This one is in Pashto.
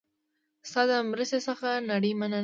ستا د مرستې څخه نړۍ مننه